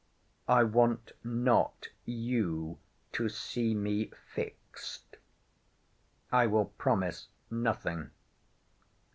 I want not you to see me fixed. I will promise nothing.